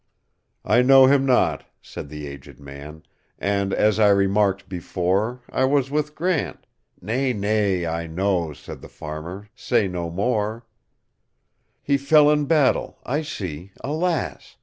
"I know him not," said the aged man,"And, as I remarked before,I was with Grant"—"Nay, nay, I know,"Said the farmer, "say no more:"He fell in battle,—I see, alas!